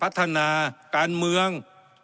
พัฒนาการเมือง